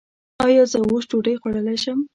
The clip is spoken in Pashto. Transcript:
ایا زه اوس ډوډۍ خوړلی شم؟